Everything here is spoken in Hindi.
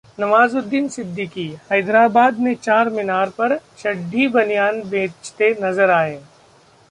नवाजुद्दीन सिद्दीकी हैदराबाद ने चार मीनार पर चड्ढी बनियान बेचते नजर आए